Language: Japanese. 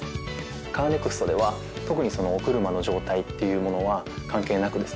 カーネクストでは特にそのお車の状態っていうものは関係なくですね